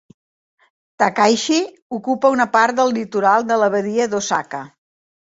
Takaishi ocupa una part del litoral de la badia d'Osaka.